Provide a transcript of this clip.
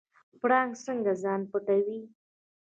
پړانګ څنګه ځان پټوي؟